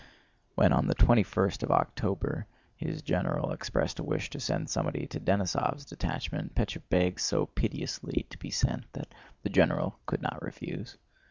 When on the twenty first of October his general expressed a wish to send somebody to Denísov's detachment, Pétya begged so piteously to be sent that the general could not refuse.